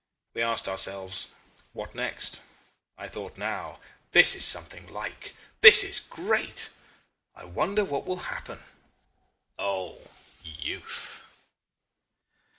We asked ourselves, What next? I thought, Now, this is something like. This is great. I wonder what will happen. O youth!